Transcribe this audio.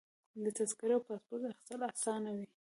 د تذکرې او پاسپورټ اخیستل اسانه وي.